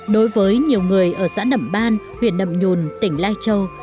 đối với nhiều người ở xã đậm ban huyện đậm nhùn tỉnh lai châu